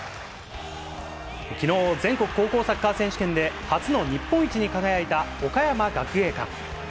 昨日全国高校サッカー選手権で初の日本一に輝いた岡山学芸館。